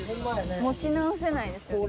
持ち直せないですよね